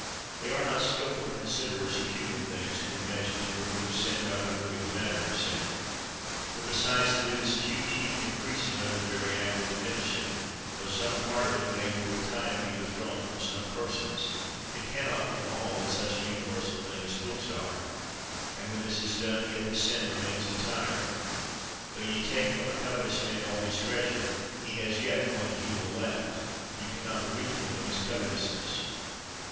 They are not skilful considerers of human things, who imagine to remove sin by removing the matter of sin; for, besides that it is a huge heap increasing under the very act of diminish ing, tho some part of it may for a time be withdrawn from some persons, it can not from all, in such a universal thing as books are; and when this is done, yet the sin remains entire. Tho ye take from a covetous man all his treas ure, he has yet one jewel left; ye can not be reave him of his covetousness.